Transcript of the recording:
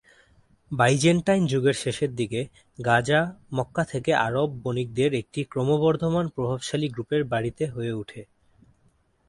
Byzantine যুগের শেষের দিকে, গাজা, মক্কা থেকে আরব বণিকদের একটি ক্রমবর্ধমান প্রভাবশালী গ্রুপের বাড়িতে হয়ে উঠে।